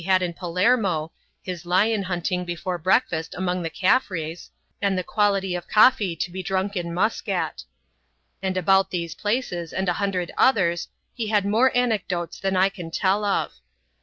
[chap, i had in Palermo, his lion hunting before breakfast among tl Caffres, and the quality of the coffee to be drunk in Musca and about these places, and a hundred others, he had moi anecdotes than I can tell of.